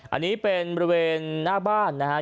อันนี้เป็นบริเวณหน้าบ้านนะครับ